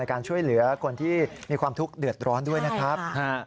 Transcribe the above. การช่วยเหลือคนที่มีความทุกข์เดือดร้อนด้วยนะครับ